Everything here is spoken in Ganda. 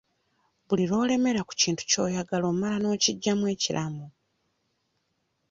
Buli lw'olemera ku kintu ky'oyagala omala n'okiggyamu ekiramu.